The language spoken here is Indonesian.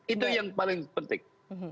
itu yang paling penting